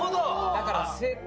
だから。